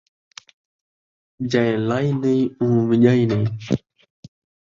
جئیں لائی نئیں ، اوں ون٘ڄائی نئیں